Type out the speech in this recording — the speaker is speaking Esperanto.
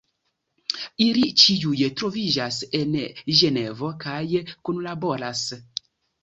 Ili ĉiuj troviĝas en Ĝenevo kaj kunlaboras.